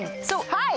はい！